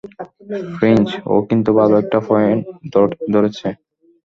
Finch, ও কিন্তু ভালো একটা পয়েন্ট ধরেছে।